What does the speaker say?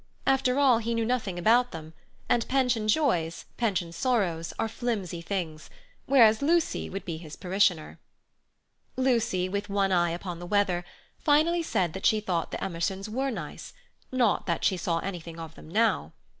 After all, he knew nothing about them, and pension joys, pension sorrows, are flimsy things; whereas Lucy would be his parishioner. Lucy, with one eye upon the weather, finally said that she thought the Emersons were nice; not that she saw anything of them now.